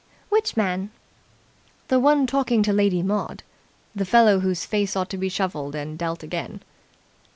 "Which man?" "The one talking to Lady Maud. The fellow whose face ought to be shuffled and dealt again."